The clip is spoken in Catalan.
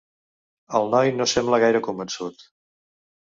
El noi no sembla gaire convençut.